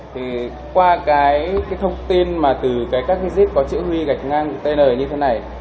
thì qua cái thông tin mà từ cái các cái dit có chữ huy gạch ngang tn như thế này